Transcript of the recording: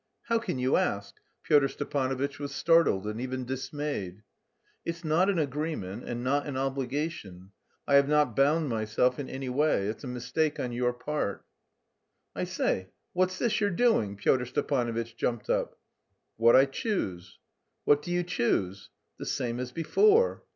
"How can you ask?" Pyotr Stepanovitch was startled and even dismayed. "It's not an agreement and not an obligation. I have not bound myself in any way; it's a mistake on your part." "I say, what's this you're doing?" Pyotr Stepanovitch jumped up. "What I choose." "What do you choose?" "The same as before."